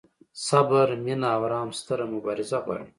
صبر، مینه او رحم ستره مبارزه غواړي.